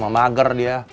mak mau dong